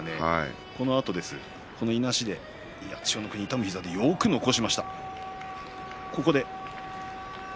このいなしで、千代の国痛む膝でよく残しました。